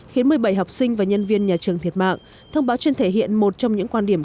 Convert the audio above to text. khiến một mươi bảy học sinh và nhân viên nhà trường thiệt mạng thông báo trên thể hiện một trong những quan điểm